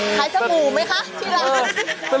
ขายสมูอก์ไหมคะพี่นัท